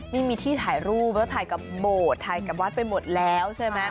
นี่มีที่ถ่ายรูปแล้วถ่ายกับโบสถ์ถ่ายกับวัดไปหมดแล้วใช่ไหม